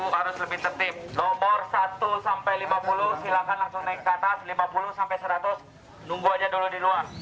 harus lebih tertib nomor satu sampai lima puluh silakan langsung naik ke atas lima puluh sampai seratus nunggu aja dulu di luar